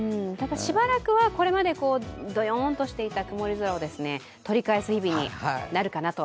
しばらくはこれまで、どよーんとしていた空を取り戻す日々になるかなと。